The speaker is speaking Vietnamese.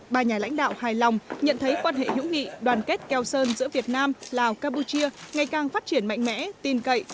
ba nhà lãnh đạo hài lòng nhận thấy quan hệ hữu nghị đoàn kết keo sơn giữa việt nam lào campuchia ngày càng phát triển mạnh mẽ tin cậy